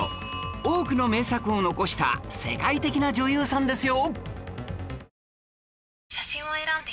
多くの名作を残した世界的な女優さんですよ